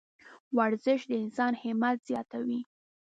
ورزش د انسان همت زیاتوي.